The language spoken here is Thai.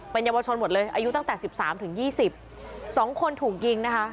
เยาวชนหมดเลยอายุตั้งแต่สิบสามถึงยี่สิบสองคนถูกยิงนะคะ